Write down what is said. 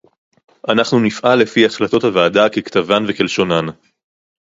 אנחנו נפעל לפי החלטות הוועדה ככתבן וכלשונן